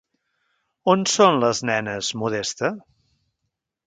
On són les nenes, Modesta?